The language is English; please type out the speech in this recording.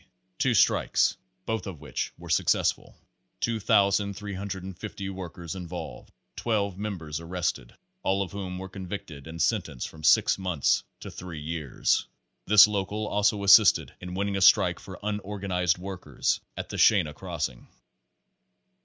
Two strikes, both of which were successful ; 2,350 workers involved ; 12 members arrest ed, all of whom were convicted and sentenced from six months to three years. This local also assisted in win ning a strike for unorganized workers at the Shenna Crossing.